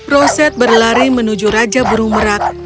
roset berlari menuju raja burung merak